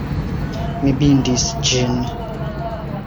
Mi bindis ĝin!